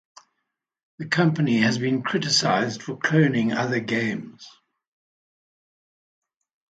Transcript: The company has been criticised for cloning other games.